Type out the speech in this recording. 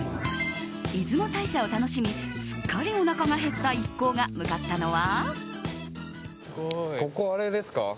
出雲大社を楽しみすっかりおなかが減った一行が向かったのは。